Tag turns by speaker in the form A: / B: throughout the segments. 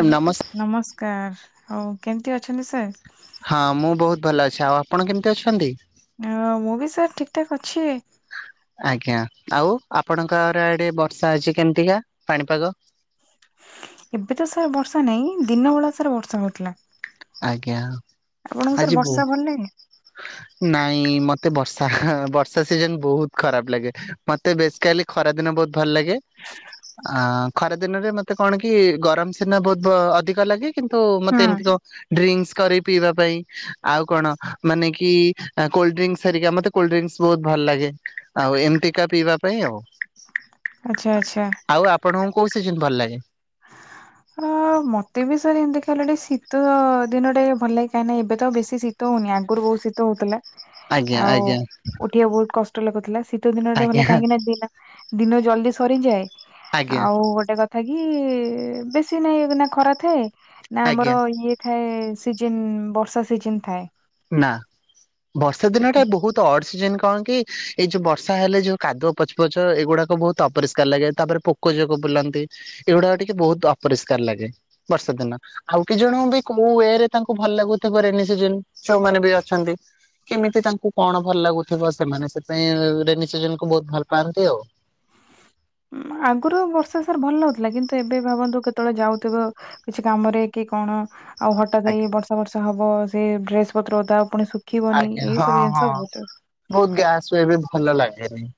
A: ଏ ନମସ୍
B: ନମସ୍କାର ଆଉ କେମିତି ଅଛନ୍ତି ସାର୍?
A: ହଁ ମୁଁ ବହୁତ ଭଲ ଅଛି, ଆଉ ଆପଣ କେମିତି ଅଛନ୍ତି?
B: ହଁ ମୁଁ ବି ସାର୍ ଠିକ୍ ଠାକ୍ ଅଛି।
A: ଆଜ୍ଞା ଆଉ ଆପଣଙ୍କ ଅରଆଡେ ବର୍ଷା ଆଜି କେମିତିକା ପାଣିପାଗ?
B: ଏବେ ତ ସାର୍ ବର୍ଷା ନାହିଁ, ଦିନ ବଳା ସାର୍ ବର୍ଷା ହଉଥିଲା।
A: ଆଜ୍ଞା
B: ଆପଣଙ୍କୁ ସାର୍
A: ଆଜି ବହୁ
B: ବର୍ଷା ଭଲ ଲାଗେ?
A: ନାଇଁ ମତେ ବର୍ଷା ବର୍ଷା ସିଜିନ ବହୁତ ଖରାପ ଲାଗେ, ମତେ ବେଶ୍ କାଲି ଖରା ଦିନେ ବହୁତ ଭଲ ଲାଗେ। ଅ ଖରା ଦିନରେ ମତେ କଣ କି ଗରମ ସିନା ବହୁତ ଅଧିକ ଲାଗେ କିନ୍ତୁ ମତେ
B: ହଁ
A: ଏମିତି ସବୁ ଡ୍ରିଙ୍କସ କରି ପିଇବା ପାଇଁ ଆଉ କଣ ମାନେ କି କୋଲଡ୍ରିଙ୍କସ୍ ହେରିକା, ମତେ କୋଲଡ୍ରିଙ୍କସ୍ ବହୁତ ଭଲ ଲାଗେ। ଆଉ ଏମତିକା ପିଇବା ପାଇଁ ଆଉ।
B: ଆଛା ଆଛା।
A: ଆଉ ଆପଣଙ୍କୁ କୋଉ ସିଜିନ୍ ଭଲ ଲାଗେ?
B: ହଁ ମତେ ବି ସାର୍ ଏମିତି ଖାଲି ଶୀତ ଦିନଟେ ଭଲ ଲାଗେ କାହିଁ ନା ଏବେ ତ ବେଶୀ ଶୀ ତ ହଉନି ଆଗରୁ ବହୁ ଶୀତ ଶୀତ ହଉଥିଲା
A: ଆଜ୍ଞା
B: ଆଉ
A: ଆଜ୍ଞା
B: ଉଠିବା କୁ ବହୁତ କଷ୍ଟ ଲାଗୁଥିଲା, ଶୀତ ଦିନ ଟେ
A: ଆଜ୍ଞା
B: କାହିଁକି ନା ଦିିନା ଦିନ ଜଲଦି ସରିଯାଏ,
A: ଆଜ୍ଞା
B: ଆଉ ଗୋଟେ କଥା କି ବେଶ୍ କି ନାହିଁ ନା ଖରା ଥାଏ ନା
A: ଆଜ୍ଞା
B: ଆମର ଇଏ ଥାଏ ସିଜିନ ବର୍ଷା ସିଜିନ ଥାଏ।
A: ନା ବର୍ଷା
B: ସେଠି
A: ଦିନଟା ବହୁତ ତ ଅଡ୍ ସିଜିନ କଣ କି ଏଇ ଯୋଉ ବର୍ଷା ହେଲେ ଯୋଉ କାଦୁଅ ପଚ୍ ପଚ୍ ଏଇଗୁଡାକ ବହୁତ ଅପରିଷ୍କାର ଲାଗେ, ତାପରେ ପୋ ପୋକଜୋକ ବୁଲନ୍ତି ଏଗୁଡାକ ଟିକେ ବହୁତ ଅପରିଷ୍କାର ଲାଗେ। ବର୍ଷା ଦିନ ଆଉ କେତେ ଜଣଙ୍କୁ ବି କୋଉ ଇଏରେ ତାଙ୍କୁ ଭଲ ଲାଗୁଥିବ ରେନି ସିଜିନ୍। ଛଉମାନେ ବି ଅଛନ୍ତି। କେମିତି ତାଙ୍କୁ କଣ ଭଲ ଲାଗୁଥିବ ସେମାନେ ସେଥିପାଇଁ ରେନି ସିଜିନକୁ ବହୁତ ଭଲ ପାଆନ୍ତି ଆଉ।
B: ଆଗୁରୁ ବର୍ଷା ସାର୍ ଭଲ ଲାଗୁଥିଲା, କିନ୍ତୁ ଏବେ ଭାବନ୍ତୁ କେତେବେଳେ ଯାଉଥିବ କିଛି କାମରେ କି କଣ, ଆଉ ହଠାତ୍ ଏଇ
A: ଆଜ୍ଞା
B: ବର୍ଷା ବର୍ଷା ହବ ସେ ଡ୍ରେସପତ୍ର ଓଦା ହବ, ପୁଣି ଶୁ ଖିବନି
A: ଆଜ୍ଞା
B: ଏଇ ସବୁ
A: ହଁ ହଁ
B: ଜିନିଷ ବହୁତ
A: ବହୁତ ଗ୍ୟାସ ଏବେ ଭଲ ଲାଗେନି।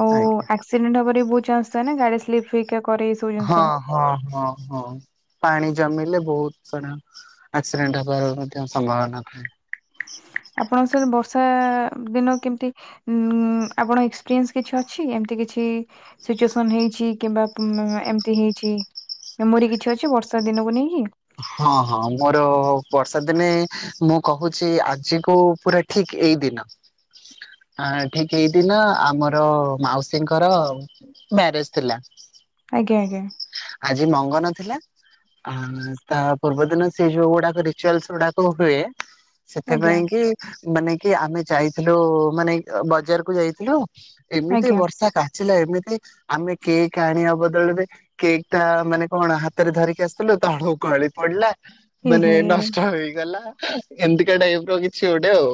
B: ଆଉ
A: ଆଜ୍ଞା
B: ଆକ୍ସିଡେଣ୍ଟ ହବାର ବି ବହୁତ ଚାନ୍ସ ଥାଏ ନା, ଗାଡି ସ୍ଲିପ ଫ୍ଲିପ୍ ହେରିକା କରେ ଏଇ ସବୁ
A: ହଁ
B: ଜିନିଷ।
A: ହଁ ହଁ ହଁ ପାଣି ଜମିଲେ ବହୁତ ସାଡା ଆକ୍ସିଡେଣ୍ଟ ହେବାର ମଧ୍ୟ ସମ୍ଭାବନା ଥାଏ।
B: ଆପଣଙ୍କୁ ସାର୍ ବର୍ଷା ଦିନ କେମିତି ଉଁ ଆପଣ ଏକ୍ସପିରିନ୍ସ କିଛି ଅଛି ଏମତି କିଛି ସିଚୁଏସନ୍ ହେଇଛି କିମ୍ବା ଏମତି ହେଇଛି? ଏମୋରି କିଛି ଅଛି ବର୍ଷା ଦିନକୁ ନେଇକି?
A: ହଁ ହଁ ମୋର ବର୍ଷା ଦିନେ ମୁଁ କହୁଛି ଆଜିକୁ ପୁରା ଠିକ୍ ଏଇ ଦିନ। ଆ ଠିକ୍ ଏଇଦିନ ଆମର ମାଉସୀଙ୍କର ମ୍ୟାରେଜ ଥିଲା।
B: ଆଜ୍ଞା ଆଜ୍ଞା।
A: ଆଜି ମଙ୍ଗନ ଥିଲା ଆ ତା ପୂର୍ବ ଦିନ ସେ ଯୋଉ ଗୁଡାକ ରିଚୁଆଲସ ଗୁଡାକ ହୁଏ
B: ଆଜ୍ଞା
A: ସେଥିପାଇଁ କି ମାନେ କି ଆମେ ଯାଇଥିଲୁ ମାନେ ବଜାରକୁ ଯାଇଥିଲୁ ଏମିତି
B: ଆଜ୍ଞା।
A: ବର୍ଷା କା ଏମିତି ଆମେ କେକ ଆଣିବା ବଦଳରେ କେକ୍ଟା ମାନେ କଣ ହାତରେ ଧରିକି ଆସିଥିଲୁ ତା ଗଳି ପଡିଲା
B: ଏ
A: ମାନେ ନଷ୍ଟ ହେଇଗଲା। ଏମିତିକା ଟାଇମର କିଛି ଗୋଟେ ଆଉ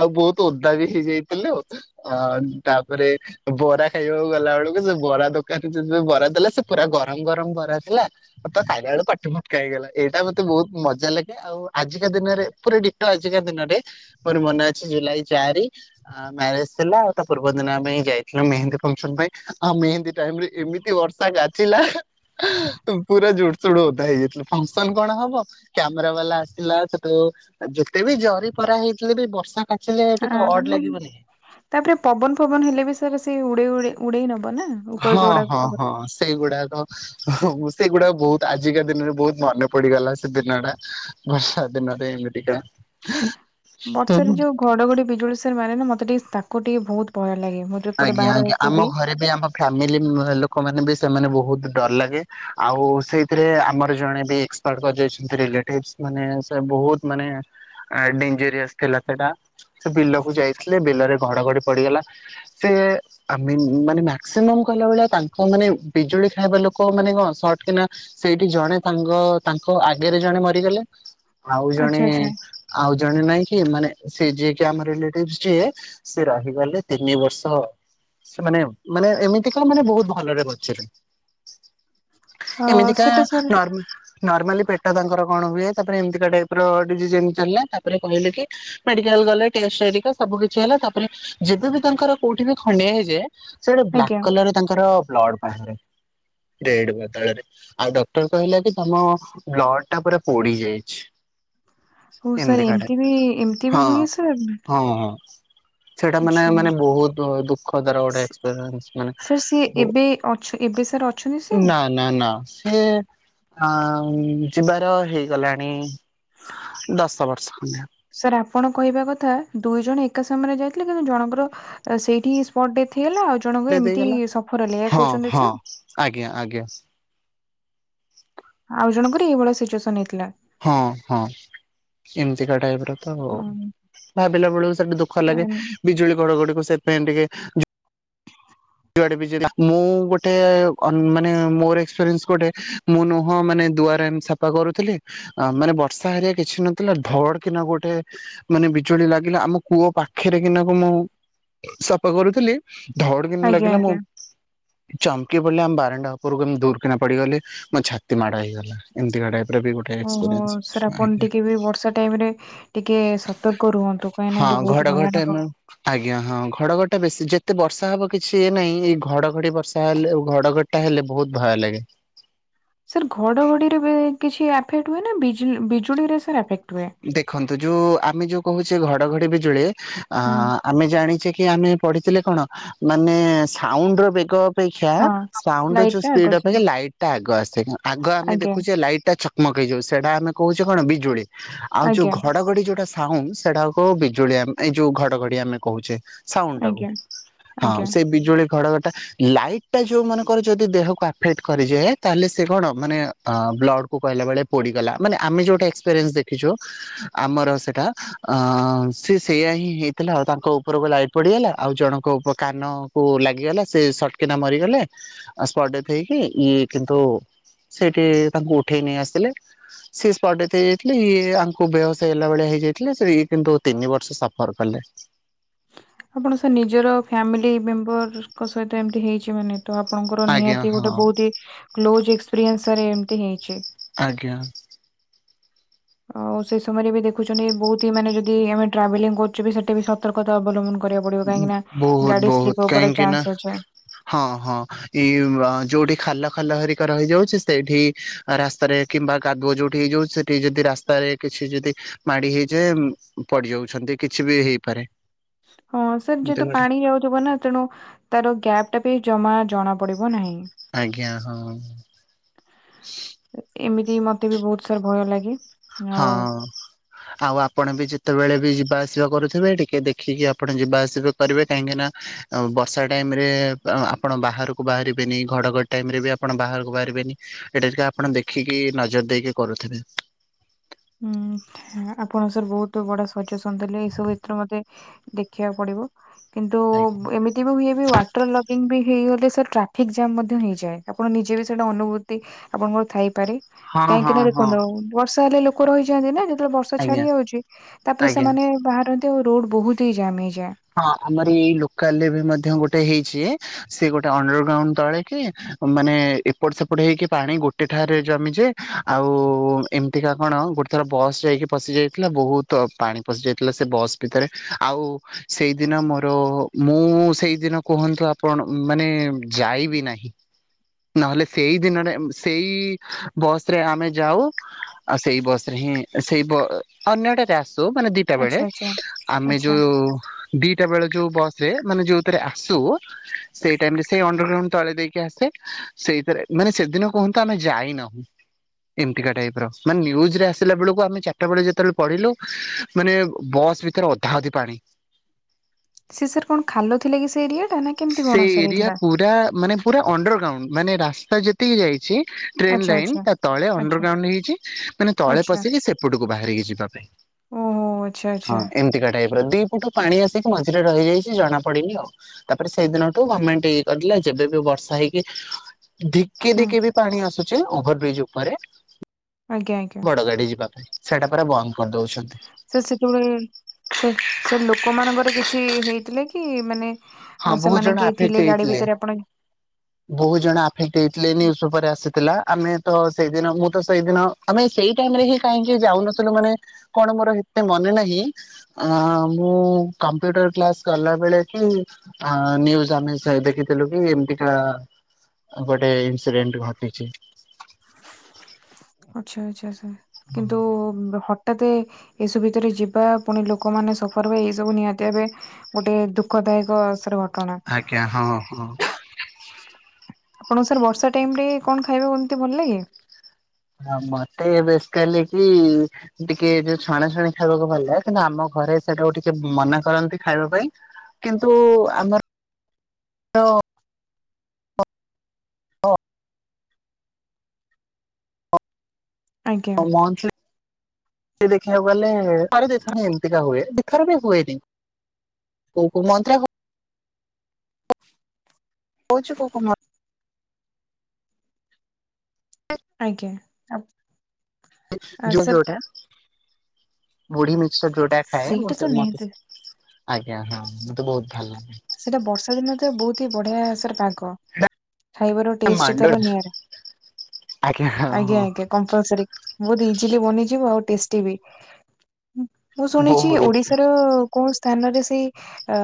A: ଆଉ ବହୁତ ଓଦା ବି ହେଇଯାଇଥିଲୁ। ଅ ତାପରେ ବରା ଖାଇବାକୁ ଗଲା ବେଳକୁ ସେ ବରା ଦୋକାନରେ ଯଦ ବରା ଦେଥିଲା ସେ ପୁରା ଗରମ ଗରମ ବରା ଥିଲା। [unintelligible] ହେଇଗଲା ଏଇଟା ମତେ ବହୁତ ମଜା ଲାଗେ ଆଉ ଆଜିକା ଦିନରେ ପୁରା ଡିଟୋ ଆଜିକା ଦିନରେ ମୋର ମନେ ଅଛି ଜୁଲାଇ ଚାରି। ଆ ମ୍ୟାରେଜ ଥିଲା ଆଉ ତା ପୂର୍ବ ଦିନ ଆମେ ଯାଇଥିଲ ମେହେନ୍ଦୀ ଫଙ୍କସନ ପାଇଁ ଆଉ ମେହେନ୍ଦୀ ଟାଇମରେ ଏମିତି ବର୍ଷ ଗାଛିଲା ପୁରା ଜୁଡସୁଡ ଓଦା ହେଇଯାଇଥିଲୁ ଫସନ କଣ ହବ? କ୍ୟାମରା ବାଲା ଆସିଲା ସେଠୁ ଯେତେ ବି ଜରି ପରା ହେଇଥିଲେ ବି ବର୍ଷା କାଚିଲେ ଟିକେ
B: ହଁ
A: ଅଡ୍ ଲାଗିବନି।
B: ତାପରେ ପବନ ଫବନ ହେଲେ ବି ସାରା ସେ ଉଡେଇ ଉଡେଇ ଉଡେଇ ନବ ନା? ଉପର
A: ହଁ
B: ଯୋଉଗୁଡା
A: ହଁ
B: ପବନ
A: ହଁ ସେଇଗୁଡାକ। ସେଗୁଡା ବହୁତ ଆଜିକା ଦିନରେ ବହୁତ ମନେ ପଡିଗଲା ସେ ଦିନଟା। ବର୍ଷା ଦିନରେ ଏମିିତିିକା।
B: ବର୍ଷାରେ ଯୋଉ ଘଡଘଡି ବିଜୁଳି ସାର ମାରେ ନା ମତେ ଟିକେ ତାକୁ ଟିକେ ବହୁତ ଭୟ ଲାଗେ। ମୁଁ ଯୋଉ ପଟେ
A: ଆଜ୍ଞା
B: ବାହାରେ
A: ଆଜ୍ଞା
B: ରହିକି
A: ଆମ
B: ବି
A: ଘରେ ଆମ ଫାମିଲି ଲୋକ ମାନେ ବି ସେମାନେ ବହୁତ ଡର ଲାଗେ ଆଉ ସେଇଥିରେ ଆମର ଜଣେ ବି ରିଲେଟିଭସ ମାନେ ସେ ବହୁତ ମାନେ ଡେଞ୍ଜରିୟସ ଥିଲା ସେଟା। ସେ ବିଲକୁ ଯାଇଥିଲେ ବିଲରେ ଘଡଘଡି ପଡିଗଲା ସେ ଆ ମାନେ ମାକ୍ସିମମ କହିଲା ଭଳିଆ ତାଙ୍କ ମାନେ ବିଜୁଳି ଖାଇବା ଲୋକ ମାନେ କଣ ସଟ କିନା ସେଇଠି ଜଣେ ସାଙ୍ଗ ତାଙ୍କ ଆଗରେ ଜଣେ ମରିଗଲେ। ଆଉ
B: ଆଚ୍ଛା
A: ଜଣେ
B: ଆଚ୍ଛା
A: ଆଉ ଜଣେ ନାଇଁ କି ମାନେ ସେ ଯିଏ କି ଆମ ରିଲେଟିଭ ଯିଏ ସିଏ ରହିଗଲେ ତିନି ବର୍ଷ ତ ସେମାନେ ମାନେ ଏମିତିକାଣ ମାନେ ବହୁତ ଭଲରେ ବଞ୍ଚିଲେ।
B: ଅ
A: ଏମିତିକା
B: ସେଟା ସାର୍
A: ନର୍ମାଲ ନର୍ମାଲି ପେଟ ତାଙ୍କର କଣ ହୁଏ ତାପରେ ଏମିତିକା ଟାଇପର ଡିଜି୍ଜ ଚାଲିଲା ତାପରେ କହିଲେ କି ମେଡିକାଲ ଗଲେ ଟେଷ୍ଟ ହେରିକା ସବୁ କିଛି ହେଲା ତାପରେ ଯେବେ ବି ତାଙ୍କର କୋଉଠି ବି ଖଡିଆ ହେଇଯାଏ ସେ ଗୋଟେ
B: ଆଜ୍ଞା
A: ବ୍ଲାକ କଲର ତାଙ୍କର ବ୍ଲଡ଼ ବାହାରେ। ରେଡ୍ ବଦଳରେ। ଆଉ ଡକ୍ଟର କହିଲା କି ତମ ବ୍ଲଡଟା ପୁରା ପୋଡି ଯାଇଛି।
B: ହଉ ସାର୍
A: [unintelligible]
B: ଏମିତି ବି ଏମିତି ବି
A: ହଁ
B: ହୁଏ ସାର୍
A: ହଁ ହଁ ସେଇଟା ମାନେ
B: ଆଚ୍ଛା
A: ମାନେ ବହୁତ ଦୁଃଖ ଦର
B: ସେ ସାର୍ ସିଏ
A: ଗୋଟ
B: ଏବେ ଅଛ ଏବେ ସାର୍ ଅଛନ୍ତି ସିଏ?
A: ନା ନା ନା ସେ ଆ ଯିବାର ହେଇଗଲାଣି ଦଶ ବର୍ଷ ଖଣ୍ଡେ।
B: ସାର୍ ଆପଣ କହିବା କଥା ଦୁଇ ଜଣ ଏକା ସମୟରେ ଯାଇଥିଲେ କିନ୍ତୁ ଜଣଙ୍କର ସେଇଠି ସ୍ପଟ ଡେଥ ହେଇଗଲା ଆଉ ଜଣଙ୍କୁ
A: ହବ।
B: ଏମିତି
A: ଦେଇଗଲା
B: ସଫର ହେଲେ ଏୟା
A: ହଁ
B: କହୁଛନ୍ତି
A: ହଁ
B: ସା
A: ଆଜ୍ଞା ଆଜ୍ଞା।
B: ଆଉ ଜଣଙ୍କ ଏଇଭଳିଆ ସିଚୁଏସନ ହେଇଥିଲା।
A: ହଁ ହଁ ଏମିତିକା ଟାଇପର। ତ ଭାବିଲା ବେଳକୁ ସେଠି ଦୁଃଖ ଲାଗେ
B: ଅଁ,
A: ବିଜୁଳି ଘଡ ଘଡିକୁ ସେଥିପାଇଁ ଟିକେ [inaudible] ମୁଁ ଗୋଟେ ଅନ ମାନେ ମୋର ଏକ୍ସପ୍ରିଏନ୍ସ ଗୋଟେ ମୁଁ ନୁହଁ ମାନେ ଦୁଆରେ ଏନ ସାପ ସପଫାକରୁଥିଲି ଆ ମାନେ ବର୍ଷା ହେରିକା କିଛି ନଥିଲା ଧଡ କିନା ଗୋଟେ ମାନେ ବିଜୁଳି ଲାଗିଲା ଆମ କୂଅ ପାଖରେ କିନାକୁ ମୁଁ ସଫା କରୁଥିଲି ଧଡ଼ କିନ୍ ଲାଗେ
B: ହ
A: ଚମକି ପଡିଲି ଆମ ବାରାଣ୍ଡା ଉପୁରକୁମ ଦୂରକନା ପଡିଗଲି ମୋ ଛାତି ମାଡ ହେଇଗଲା ଏମିତିକା ଟାଇପ
B: ଓହୋ ସାର୍ ଆପଣ ଟିକେ ବି ବର୍ଷା ଟାଇମରେ ଟିକେ ସତର୍କ ରୁହନ୍ତୁ କାହିଁକିନା
A: ହଁ
B: ଏଇଟା ବହୁତ
A: ଘଡଘଡି
B: ଭୟାନକ।
A: ଟାଇମ ଆଜ୍ଞା ହଁ ଘଡଘଡିଟା ବେଶୀ ଯେତେ ବର୍ଷା ହବ କି ସିଏ ନାଇଁ ଏଇ ଘଡଘଡି ବର୍ଷା ହେଲେ ଘଡଘଡିଟା ହେଲେ ବହୁତ ଭୟ ଲାଗେ।
B: ସାର୍ ଘଡଘଡିରେ କିଛି ଏଫେକ୍ଟ ହୁଏ ନା ବିଜୁଳିରେ ସାର୍ ଆଫେକ୍ଟ? ହୁଏ?
A: ଦେଖନ୍ତୁ ଯୋଉ ଆମେ ଯୋଉ କହୁଛେ ଘଡଘଡି ବିଜୁଳି ଆଁ
B: ହୁଁ
A: ଆମେ ଜାଣିଛେ କି ଆମେ ପଢିଥିଲେ କଣ ମାନେ ସାଉଣ୍ଡ ର ବେଗ ଅପେକ୍ଷା
B: ହଁ
A: ସାଉଣ୍ଡର
B: ଲାଇଟ
A: ଜଉ
B: ଟା ଆଗ
A: ସ୍ପିଡି
B: ଯିବ
A: ଅପେକ୍ଷା ଲାଇଟଟା ଆଗ ଆସେ ଆଗ ଆମେ
B: ଆଜ୍ଞା
A: ଦେଖୁଛେ ଲାଇଟଟା ଛ ମକହେଇଯାଉଚି ସେଟା ଆମେ କହୁଛେ କଣ ବିଜୁଳି ଆଉ ଯୋଉ
B: ଆଜ୍ଞା
A: ଘଡଘଡି ଯଉଟା ହାଉଁ ସେଟାକୁ କହୁ ବିଜୁଳି ଆମେ ଏଇ ଯୋଉ ଘଡଘଡି ଆମେ କହୁଛେ। ସାଉଣ୍ଡ ଟାକୁ
B: ଆଜ୍ଞା
A: ହଁ
B: ଆଜ୍ଞା।
A: ସେ ବିଜୁଳି ଘଡଘଡିଟା ଲାଇଟ ଟା ଯୋଉ ମାନଙ୍କର ଯଦି ଦେହକୁ ଆଫେକ୍ଟ କରିଯାଏ ତାହେଲେ ସେ କଣ ମାନେ ଅ ବ୍ଲଡକୁ କହିଲା ବେଳେ ପୋଡିଗଲା ମାନେ ଆମେ ଯୋଉଟା ଏକ୍ସପିରିନ୍ସ ଦେଖିଛୁ ଆମର ସେଟା ଅ ସେ ସେଇୟା ହିଁ ହେଇଥିଲା ଆଉ ତାଙ୍କ ଉପରକୁ ଲାଇଟ ପଡିଗଲା ଆଉ ଜଣଙ୍କ ଉପ କାନ କୁ ଲାଗିଗଲା ସେ ସଟକିନା ମରିଗଲେ ଆଉ ସ୍ପଟ ଡେଥ ହେଇକି ଇ କିନ୍ତୁ ସେଇଠି ତାଙ୍କୁ ଉଠେଇ ନେଇ ଆସିଥିଲେ ସେ ସ୍ପଟଡେଥ ହେଇଯାଇ ଥି ହେ ଇଏ ଆଙ୍କୁ ବେହୋସ ହେଲା ଭଳିଆ ହେଇ ଯାଇଥିଲେ ସେ ଏ କିନ୍ତୁ ତିନି ବର୍ଷ ସଫର କଲେ।
B: ଆପଣ ସେ ନିଜର ଫ୍ୟାମିଲି ମେମ୍ବରଙ୍କ ସହିତ ଏମିତି ହେଇଛି ମାନେ ତ ଆପଣଙ୍କର
A: ଆଜ୍ଞା
B: ନିହାତି
A: ହଁ
B: ଗୋଟେ ବହୁତି କ୍ଲୋଜ ଏକ୍ସପିରିଏନ୍ସରେ ଏମତି ହେଇଛି।
A: ଆଜ୍ଞା।
B: ଆଉ ସେ ସମୟରେ ବି ଦେଖୁଛନ୍ତି ବହୁତ ହି ମାନେ ଯଦି ଆମେ ଟ୍ରାଭେଲିଂ କରୁଚେ ବି ସେଟା ବି ସତ ସତର୍କତା ଅବଲମ୍ବନ କରିବାକୁ ପଡିବ କାହିଁକି ନା
A: ବହୁତ
B: ଗାଡି
A: ବହୁତ
B: ସ୍ଲିପ ହବାର
A: କାହିଁକି ନା
B: ଚାନ୍ସ ଅଛେ।
A: ହଁ ହଁ। ଏ ଯୋଉଠି ଖାଲ ଖାଲ ହରିକା ରହିଯାଉଛି ସେଇଠି ରାସ୍ତାରେ କିମ୍ବା କାଦୁଅ ଯୋଉଠି ହେଇଯାଉ ସେଠି ଯଦି ରାସ୍ତାରେ କିଛି ଯଦି ମାଡି ହେଇଯାଏ ପଡିଯାଉଛନ୍ତି କିଛି ବି ହେଇପାରେ।
B: ହଁ ସାର୍
A: ଏମିତି
B: ଯେହେତୁ
A: ଗୋଟେ
B: ପାଣି ହେଇ ଆଉଥିବ ନା। ତେଣୁ ତାର ଗ୍ୟାପଟା ବି ଜମା ଜଣା ପଡିବ ନାହିଁ।
A: ଆଜ୍ଞା ହଁ।
B: ଏମିତି ମତେ ବି ବହୁତ ସାର ଭୟ ଲାଗେ।
A: ହଁ
B: ଆଉ
A: ଅଁ। ଆଉ ଆପଣ ବି ଯେତେବେଳେ ବି ଯିବା ଆସିବା କରୁଥିବେ ଟିକେ ଦେଖିକି ଆପଣ ଯିବା ଆସିବା କରିବେ କାହିଁକି ନା ବର୍ଷା ଟାଇମରେ ଆପଣ ବାହାରକୁ ବାହାରିବେନି ଘଡ଼ଘଡଡି ଟାଇମରେ ବି ଆପଣ ବାହାରକୁ ବାହାରିବେନି। ଏଟା ଟିକ ଆପଣ ଦେଖିକି ନଜର ଦେଇକି କରୁଥିବେ।
B: ହୁଁ ଆପଣ ସାର ବହୁତ ବଡ ସଚେସନ ଥିଲେ ଏଇ ସବୁ କ୍ଷେତ୍ରରେ ମତେ ଦେଖିବାକୁ ପଡିବ କିନ୍ତୁ
A: ଆଜ୍ଞା
B: ଏମିତି କେବେ ହୁଏ ବି ୱାଟର ଲଗିଙ୍ଗ ବି ହେଇଗଲେ ସାର୍ ଟ୍ରାଫିକ୍ ଜାମ୍ ମଧ୍ୟ ହୋଇଇଯାଏ ଆପଣ ନିଜେ ବି ସେଇଟା ଅନୁଭୂତି ଆପଣଙ୍କର ଥାଇପାରେ
A: ହଁ ହଁ
B: କାହିଁକି ନା
A: ହଁ
B: ଦେଖନ୍ତୁ ବର୍ଷା ହେଲେ ଲୋକ ରହିଯାଆନ୍ତି ନା ଯେତେବେଳେ ବର୍ଷା
A: ଆଜ୍ଞା
B: ଛାଡି ଯାଉଛି ତାପରେ
A: ଆଜ୍ଞା।
B: ସେମାନେ ବାହାରନ୍ତି ଆଉ ରୋଡ ବହୁତ ତି ଜାମ ହେଇଯାଏ।
A: ହଁ ଆମର ଏଇ ଲୋକାଲ ରେ ବି ମଧ୍ୟ ଗୋଟେ ହେଇଛି ସିଏ ଗୋଟେ ଅଣ୍ଡର ଗ୍ରାଉଣ୍ଡ ତଳେ କି ମାନେ ଏପଟ ସେପଟ ହେଇକି ପାଣି ଗୋଟେ ଠାରେ ଜମି ଯେ ଆଉ ଏମିତିକା କଣ ଗୋଟେ ଥର ବସ୍ ଯାଇକି ପଶି ଯାଇଥିଲା ବହୁତ ପାଣି ପଶି ଯାଇଥିଲା ସେ ବସ୍ ଭିତରେ ଆଉ ସେଇଦିନ ମୋର ମୁଁ ସେଇଦିନ କୁହନ୍ତୁ ଆପଣ ମାନେ ଯାଇବି ନାହିଁ ନହେଲେ ସେଇ ଦିନରେ ସେଇ ବସ ରେ ଆମେ ଯାଉ ଆଉ ସେଇ ବସରେ ହିଁ ସେଇ ଅନ୍ୟ ଟା ରେ ଆସୁ ମାନେ ଦଟା ବେଳେ
B: ଆଚ୍ଛା ଆଚ୍ଛା
A: ଆମେ
B: ଆଚ୍ଛା
A: ଯୋଉ ଦିଟା ବେଳେ ଯୋଉ ବସ ରେ ମାନେ ଯୋଉଥିରେ ଆସୁ ସେଇ ଟାଇମରେ ସେଇ ଅଣ୍ଡରଗ୍ରାଉଣ୍ଡ ତଳେ ଦେଇକି ଆସେ ସେଇଥିରେ ମାନେ ସେଦିନ କୁହନ୍ତୁ ଆମେ ଯାଇନାହୁଁ ଏମତିକା ଟାଇପ ର ମାନେ ନ୍ୟୁଜରେ ଆସିଲା ବେଳକୁ ଆମେ ଚାରିଟା ବେଳେ ଯେତେବେଳେ ପଢିଲୁ ମାନେ ବସ୍ ଭିତରେ ଅଧା ଅଧି ପାଣି
B: ସେ ସାର କଣ ଖାଲ ଥିଲା କି ସେ ଏରିଆ ଟା ନା କେମିତି କଣ
A: ସେ
B: ସାର୍
A: ଏରିଆ
B: ହେଇଥିଲା?
A: ପୁରା ମାନେ ପୁରା ଅଣ୍ଡର ଗ୍ରାଉଣ୍ଡ ମାନେ ରାସ୍ତା ଯେତିକି ଯାଇଛି ଟ୍ରେନ୍
B: ଆଚ୍ଛା
A: ଲାଇନ୍
B: ଆଚ୍ଛା
A: ତା ତଳେ
B: ଆଚ୍ଛା
A: ଅଣ୍ଡରଗ୍ରାଉଣ୍ଡ ହେଇଛି ମାନେ ତଳେ ପଶିକି ସେପଟକୁ ବାହାରିକି ଯିବା ପାଇଁ
B: ଓ।
A: ହଁ ଏମିତିକା ଟାଇପର ଦି ଫୁଟ ପାଣି ଆସିକି ମଝିରେ ରହିଯାଇଛି ଜଣା ପଡନି ଆଉ ତା ତା ପରେ ସେଇ ଦିନଠୁ ଗମେଣ୍ଟ ଇଏ କରିଦେଲା ଯେବେ ବି ବର୍ଷା ହେଇକି ଧିକି
B: ହୁଁ
A: ଧିକି ବି ପାଣି ଆସୁଛି ଓଭର ବ୍ରିଜ ଉପରେ
B: ଆଜ୍ଞା ଆଜ୍ଞା।
A: ବଡ ଗାଡି ଯିବା ପାଇଁ ସେଇଟା ପୁରା ବନ୍ଦ କରିଦଉଛନ୍ତି।
B: ସେ ସେତେବେଳେ ସେ-ସେ ଲୋକ ମାନଙ୍କର କିଛି ହେଇଥିଲା କି ମାନେ
A: ହଁ
B: ଆଉ
A: ବହୁତ ଜଣ
B: ସେମାନେ କିଏ
A: ଆଫେକ୍ଟ
B: ଥିଲେ ଗାଡି
A: ହେଇଥିଲେ।
B: ଭିତରେ ଆପଣ
A: ବହୁତ ଜଣ ଆଫେକ୍ଟ ହେଇଥିଲେ ନ୍ୟୁଜ ପେପର ଆସିଥିଲା ଆମେ ତ ସେଇଦିନ ମୁଁ ତ ସେଇଦିନ ଆମେ ସେଇ ଟାଇମରେ ହି କାହିଁକି ଯାଉନଥିଲୁ ମାନେ କଣ ମୋର ହେତେ ମନେ ନାହିଁ ଅ ମୁଁ କମ୍ପ୍ୟୁଟର କ୍ଲାସ ଗଲା ବେଳେ କି ନ୍ୟୁଜ ଆମେ ସେ ଦେଖିଥିଲୁ କି ଏମିତିକା ଗୋଟେ ଇନସିଡେଣ୍ଟ ଘଟିଛି।
B: ଆଚ୍ଛା ଆଚ୍ଛା ସାର କିନ୍ତୁ ହ ଏତେ ଏସବୁ ଭିତରେ ଯିବା ପୁଣି ଲୋକମାନେ ସଫର ହ ଏଇ ସବୁ ନିହାତି ଭବେ ଗୋଟେ ଦୁଃଖଦାୟକ [unintelligible] ଘଟଣା।
A: ଆଜ୍ଞା ହଁ ହଁ।
B: ଆପଣ ଙ୍କୁ ସାର୍ ବର୍ଷା ଟାଇମ ରେ କଣ ଖାଇବାକୁ ଏମିତି ଭଲ ଲାଗ?
A: ହଁ ମତେ ବେଶିକାଲି କି ଟିକେ ଯୋଉ ଛଣାଛୁଣି ଖାଇବାକୁ ଭଲ ଲାଗେ କିନ୍ତୁ ଆମ ଘରେ ସେଟାକୁ ଟିକେ ମନା କରନ୍ତି ଖାଇବା ପାଇଁ କିନ୍ତୁ ଆମର ଅ
B: ଆଜ୍ଞା
A: [unintelligible] ଦେଖିବାକୁ ଗଲେ [unintelligible] ଏମତିକା ହୁଏ ଦି ଥର ବି ହୁଏନି କୋଉ କୋଉ ମନ୍ଥ ରେ କହୁଛୁ କୋଉ କୋଉ ମ [inaudible]
B: ଆଜ୍ଞା ଆ
A: ଯୋଉ
B: ସାର୍
A: ଯୋଉଟା ମୁଢ଼ି ମିକ୍ସର ଯୋଉଟା ଖାଏ
B: ସେଇଟା ତ
A: ମତେ ମତେ
B: ନିହାତି
A: ଆଜ୍ଞା ହଁ ମତେ ବହୁତ୍ ଭଲ ଲାଗେ।
B: ସେଇଟା ବର୍ଷା ଦିନ ତ ବହୁତ ହିଁ ବଢ଼ିଆ ସେରେ ପାଗ। ଖାଇବା ର ଟେଷ୍ଟ
A: ମାଣ୍ଡ
B: ତାର ନିଆରା।
A: ଆଜ୍ଞା ହଁ ହଁ
B: ଆଜ୍ଞା ଆଜ୍ଞା। କମ୍ପଲସରି ବହୁ ଇଜିଲି ବନିଯିବ ଆଉ ଟେଷ୍ଟୀ ବି। ମୁଁ ଶୁଣିଛି
A: ବହୁତ।
B: ଓଡିଶାର କୋଉ ସ୍ଥାନରେ ସେଇ ଅ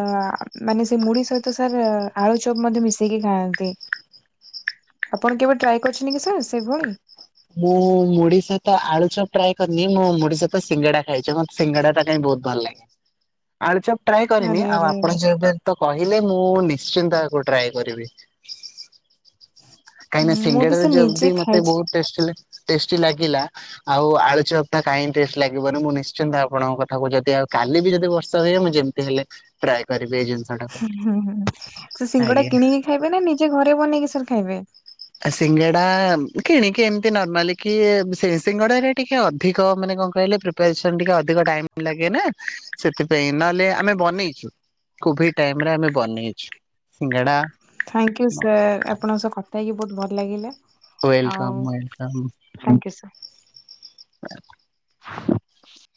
B: ମାନେ ସେ ମୁଢି ସହିତ ସାର୍ ଆଳୁଚପ୍ ମଧ୍ୟ ମିଶେଇକି ଖାଆନ୍ତି। ଆପଣ କେବେ ଟ୍ରାଏ କରିଛନ୍ତି କି ସାର୍ ସେଇଭଳି?
A: ମୁଁ ମୁଢ଼ି ସହିତ ଆଳୁଚପ ଟ୍ରାଏ କରିନି ମୁଁ ମୁଢି ସହିତ ସିଙ୍ଗେଡା ଖାଇଚ ମତେ ସିଙ୍ଗଡା ଟା କାଇଁ ବହୁତ୍ ଭଲ ଲାଗେ। ଆଳୁଚପ୍ ଟ୍ରାଏ
B: ଆରେ
A: କରିନି ଆଉ
B: ଆରେ ଆରେ
A: ଆପଣ ଯେବେ ତ କହିଲେ ମୁଁ ନିଶ୍ଚିନ୍ତ ୟାକୁ ଟ୍ରାଏ କରିବି। କାହିଁକିନା
B: ମୁଁ ବି
A: ସିଙ୍ଗିଡାରେ
B: ସାର୍
A: ଯଦି
B: ନିଜେ
A: ମତେ
B: ଖାଇଛି
A: ବହୁତ ଟେଷ୍ଟି ଟେଷ୍ଟି ଲାଗିଲା ଆଉ ଆଳୁଚପ୍ ଟା କାଇଁ ଟେଷ୍ଟ ଲାଗିବନି ମୁଁ ନିଶ୍ଚିନ୍ତ ଆପଣଙ୍କ କଥାକୁ ଯଦି ଆଉ କାଲି ବି ଯଦି ବର୍ଷା ତ ମୁଁ ଯେମିତି ହେଲେ ଟ୍ରାଏ କରିବି ଏଇ ଜିନିଷ ଟାକୁ।
B: ହୁଁ ହୁଁ, ସେ ସିଙ୍ଗଡା
A: ଆଜ୍ଞା।
B: କିଣିକି ଖାଇବେ ନା ନିଜେ ଘରେ ବନେଇକି ସାର୍ ଖାଇବେ?
A: ଆ ସିଙ୍ଗଡା କିଣିକି ଏମିତି ନର୍ମାଲି କି ସେ ସିଙ୍ଗଡାରେ ଟିକେ ଅଧିକ ମାନେ କଣ କହିଲେ ପ୍ରି ପ୍ରିପାରେସନ ଟିକେ ଅଧିକ ଟାଇମ ଲାଗେ ନା ସେଥିପାଇଁ ନହେଲେ ଆମେ ବନେଇଛୁ। କେଭିଡ୍ ଟାଇମ୍ ରେ ଆମେ ବନେଇଛୁ। ସିଙ୍ଗେଡା
B: ଥାଙ୍କୟୁ ସାର୍ ଆପଣଙ୍କ ସହ କଥା ହେଇକି ବହୁତ ଭଲ ଲାଗିଲା ଆଉ
A: ୱେଲକମ୍ ୱେଲକମ୍
B: ଥାଙ୍କୟୁ ସାର୍। [inaudible]